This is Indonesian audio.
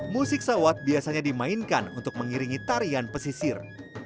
musik sawat biasanya dimainkan untuk mengiringi tarian pesisir